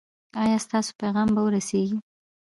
ایا ستاسو پیغام به ورسیږي؟